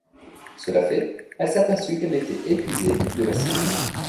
Cela fait, elle s’aperçut qu’elle était épuisée de lassitude.